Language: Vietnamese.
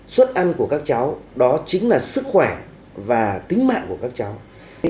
suất ăn của các cháu đó chính là sức khỏe và tính mạng của các cháu